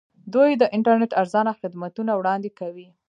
دوی د انټرنیټ ارزانه خدمتونه وړاندې کوي.